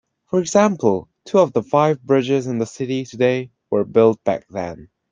For example, two of the five bridges in the city today were built back then.